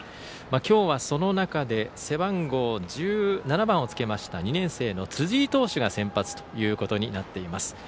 今日はその中で背番号１７番をつけました２年生の辻井投手が先発ということになっています。